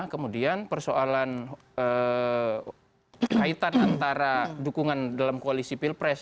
kemudian persoalan kaitan antara dukungan dalam koalisi pilpres